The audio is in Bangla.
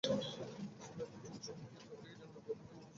সিপাহিবাগ যুব সংহতি ক্লাব থেকেই জীবনে প্রথম খেলার পুরস্কার পায় মাবিয়া।